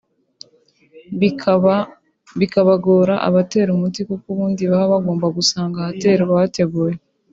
bikagora abatera umuti kuko ubundi baba bagomba gusanga ahaterwa hateguye